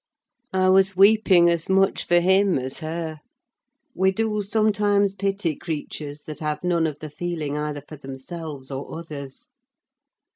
I was weeping as much for him as her: we do sometimes pity creatures that have none of the feeling either for themselves or others.